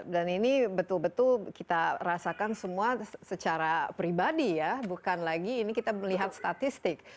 dan ini betul betul kita rasakan semua secara pribadi ya bukan lagi ini kita melihat statistik